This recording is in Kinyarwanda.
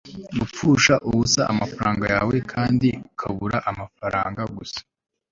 gupfusha ubusa amafaranga yawe kandi ukabura amafaranga gusa